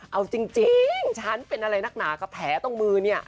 เอาจริงฉันเป็นอะไรนักหนากับแผลตรงมือเนี่ย